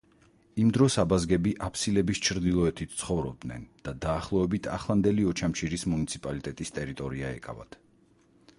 იმ დროს აბაზგები აფსილების ჩრდილოეთით ცხოვრობდნენ და დაახლოებით ახლანდელი ოჩამჩირის მუნიციპალიტეტის ტერიტორია ეკავათ.